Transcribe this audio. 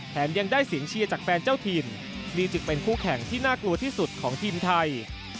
ยังได้เสียงเชียร์จากแฟนเจ้าถิ่นนี่จึงเป็นคู่แข่งที่น่ากลัวที่สุดของทีมไทย